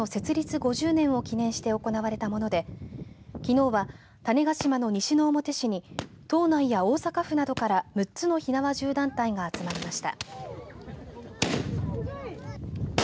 ５０年を記念して行われたものできのうは種子島の西之表市に島内や大阪府などから６つの火縄銃団体が集まりました。